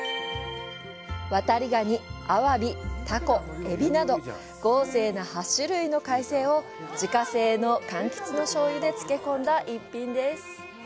ワタリガニ、アワビ、タコ、エビなど豪勢な８種類の海鮮を自家製の柑橘の醤油で漬けこんだ逸品です。